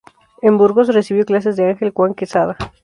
En Burgos, recibió clases de Ángel Juan Quesada.